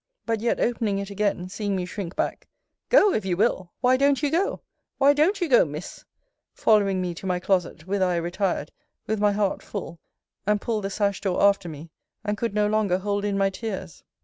But yet opening it again, seeing me shrink back Go, if you will! Why don't you go? Why don't you go, Miss? following me to my closet, whither I retired, with my heart full, and pulled the sash door after me; and could no longer hold in my tears.